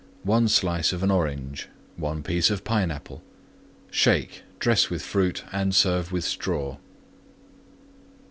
1 slice Orange. 1 piece of Pineapple. Shake; dress with Fruit and serve with Straw.